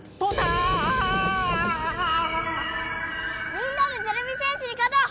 みんなでてれび戦士にかとう！